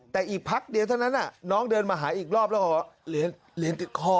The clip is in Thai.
แต่อีกพักเดียวเท่านั้นน้องเดินมาหาอีกรอบแล้วก็เหรียญติดคอ